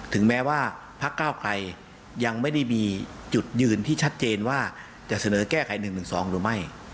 ถึงแม้ว่าพักเก้าไกลยังไม่ได้มีจุดยืนที่ชัดเจนว่าจะเสนอแก้ไข๑๑๒หรือไม่